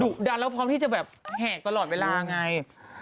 ดันแล้วพร้อมที่จะแบบแหกตลอดเวลาไง